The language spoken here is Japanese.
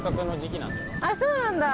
あっそうなんだ！